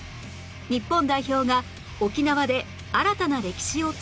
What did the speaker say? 日本代表が沖縄で新たな歴史を作ります